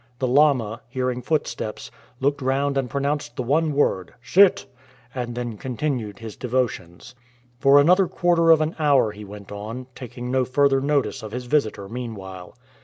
The lama, hearing foot steps, looked round and pronounced the one word, " Sit !" and then continued his devotions. For another quarter of an hour he went on, taking no further notice of his visitor meanwhile.